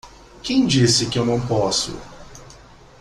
Quem disse que eu não posso?